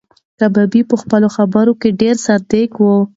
کبابي په خپلو خبرو کې ډېر صادق و.